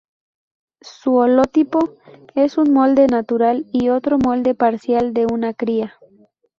Su holotipo es un molde natural y otro molde parcial de una cría.